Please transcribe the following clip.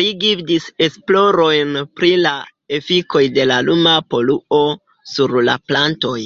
Li gvidis esplorojn pri la efikoj de la luma poluo sur la plantoj.